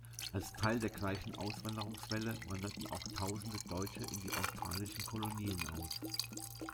Als Teil der gleichen Auswanderungswelle wanderten auch tausende Deutsche in die australischen Kolonien aus.